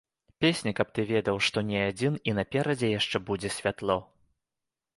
Песня, каб ты ведаў, што не адзін, і наперадзе яшчэ будзе святло.